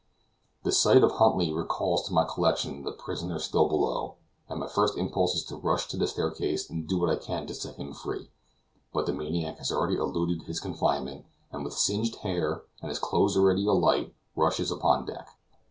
The sight of Huntly recalls to my recollection the prisoner still below, and my first impulse is to rush to the staircase and do what I can to set him free. But the maniac has already eluded his confinement, and with singed hair and his clothes already alight, rushes upon deck.